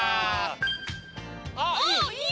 あっいい。